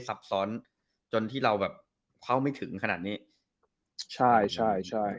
ซับซ้อนจนที่เราแบบเข้าไม่ถึงขนาดนี้ใช่ใช่ใช่